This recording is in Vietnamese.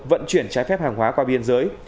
vận chuyển trái phép hàng hóa qua biên giới